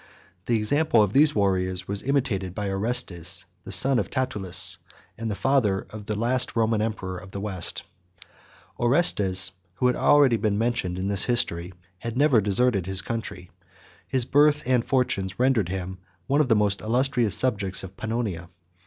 The example of these warriors was imitated by Orestes, 118 the son of Tatullus, and the father of the last Roman emperor of the West. Orestes, who has been already mentioned in this History, had never deserted his country. His birth and fortunes rendered him one of the most illustrious subjects of Pannonia.